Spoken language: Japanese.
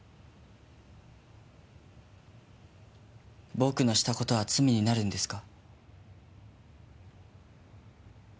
僕のした事は罪になるんですか？